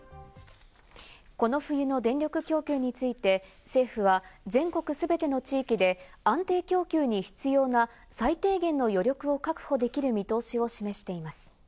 この冬の電力供給について、政府は全国すべての地域で安定供給に必要な最低限必要な余力を確保できる見通しを示しています。